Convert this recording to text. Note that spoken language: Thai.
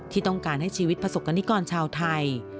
ที่ต้องการให้ชีวิตประสบกรณิกรชาวไทย